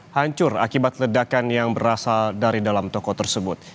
hancur akibat ledakan yang berasal dari dalam toko tersebut